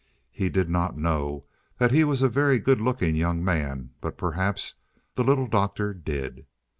He did not know that he was a very good looking young man, but perhaps the Little Doctor did.